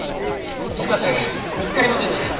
しかし見つかりませんね。